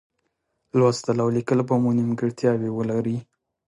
لوستل او لیکل به مو نیمګړتیاوې ولري.